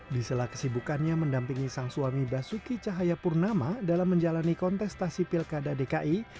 di sela kesibukannya mendampingi sang suami basuki cahayapurnama dalam menjalani kontestasi pilkada dki